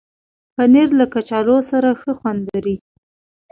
پنېر له کچالو سره ښه خوند لري.